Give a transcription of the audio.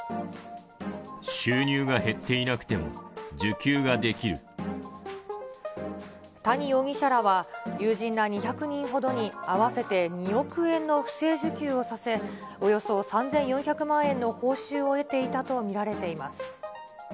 収入が減っていなくても、谷容疑者らは、友人ら２００人ほどに合わせて２億円の不正受給をさせ、およそ３４００万円の報酬を得ていたと見られています。